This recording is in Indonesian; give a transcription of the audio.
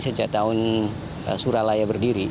sejak tahun suralaya berdiri